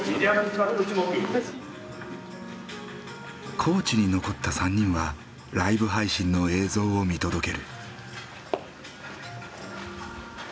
高知に残った３人はライブ配信の映像を見届ける。